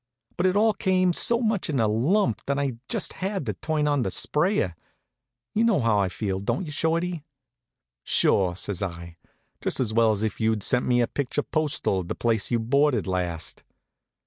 But it all came so much in a lump that I just had to turn on the sprayer. You know how I feel, don't you, Shorty?" "Sure," says I, "just as well as if you'd sent me a picture postal of the place you boarded last."